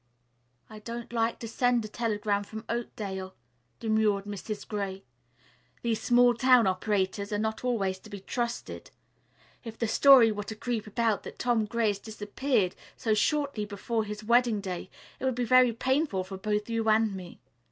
"I don't like to send a telegram from Oakdale," demurred Mrs. Gray. "These small town operators are not always to be trusted. If the story were to creep about that Tom Gray had disappeared, so shortly before his wedding day, it would be very painful for both you and me.